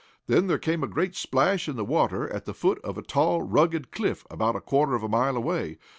Then there came a great splash in the water at the foot of a tall, rugged cliff about a quarter of a mile away.